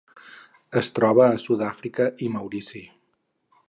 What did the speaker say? Es troba a Sud-àfrica i Maurici.